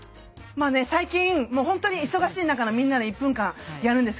最近もうほんとに忙しい中のみんなの１分間やるんですけどね。